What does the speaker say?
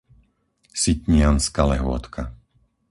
Sitnianska Lehôtka